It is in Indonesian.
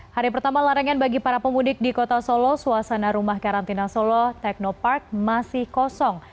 hari pertama larangan bagi para pemudik di kota solo suasana rumah karantina solo teknopark masih kosong